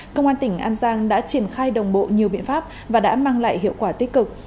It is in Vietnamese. công an tỉnh an giang đã triển khai đồng bộ nhiều biện pháp và đã mang lại hiệu quả tích cực